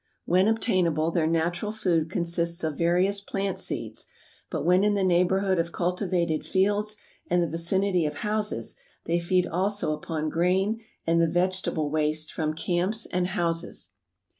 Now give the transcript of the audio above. When obtainable, their natural food consists of various plant seeds, but when in the neighborhood of cultivated fields and the vicinity of houses, they feed also upon grain and the vegetable waste from camps and houses.